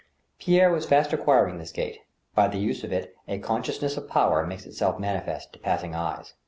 Pierre was fast acquiring this gait. By the use of it a consciousness of power makes itself manifest to passing eyes.